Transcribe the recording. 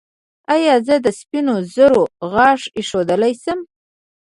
ایا زه د سپینو زرو غاښ ایښودلی شم؟